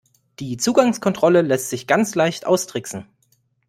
Die Zugangskontrolle lässt sich ganz leicht austricksen.